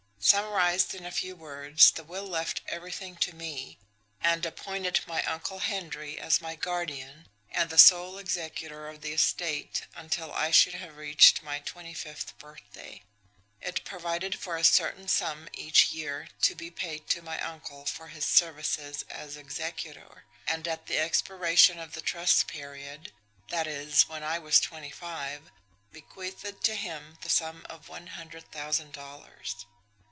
Summarised in a few words, the will left everything to me, and appointed my Uncle Henry as my guardian and the sole executor of the estate until I should have reached my twenty fifth birthday. It provided for a certain sum each year to be paid to my uncle for his services as executor; and at the expiration of the trust period that is, when I was twenty five bequeathed to him the sum of one hundred thousand dollars."